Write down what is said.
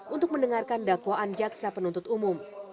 untuk mendengarkan dakwaan jaksa penuntut umum